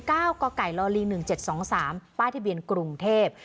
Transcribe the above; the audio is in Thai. กไก่ลอลิง๑๗๒๓ป้ายทะเบียนกรุงเทพ